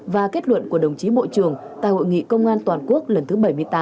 và kết luận của đồng chí bộ trưởng tại hội nghị công an toàn quốc lần thứ bảy mươi tám